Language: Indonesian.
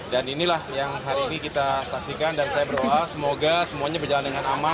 dan inilah yang hari ini kita saksikan dan saya berdoa semoga semuanya berjalan dengan aman